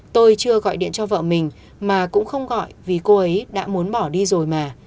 tôi chưa gọi điện cho vợ mình mà cũng không gọi vì cô ấy đã muốn bỏ đi rồi mà